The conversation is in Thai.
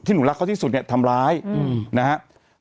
หนูรักเขาที่สุดเนี่ยทำร้ายนะครับ